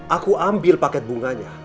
aku ambil paket bunganya